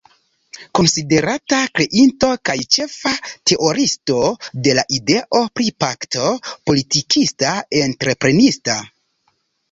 Konsiderata kreinto kaj ĉefa teoriisto de la ideo pri pakto politikista-entreprenista.